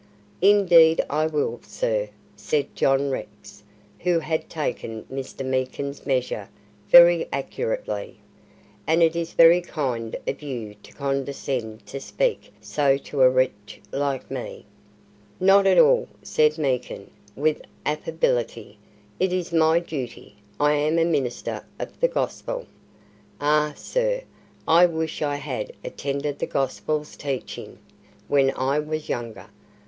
"Indeed I will, sir," said John Rex, who had taken Mr. Meekin's measure very accurately, "and it is very kind of you to condescend to speak so to a wretch like me." "Not at all," said Meekin, with affability; "it is my duty. I am a Minister of the Gospel." "Ah! sir, I wish I had attended to the Gospel's teachings when I was younger.